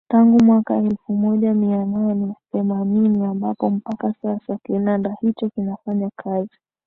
Tangu mwaka elfu moja mia nane themanini ambacho mpaka sasa kinanda hicho kinafanya kazi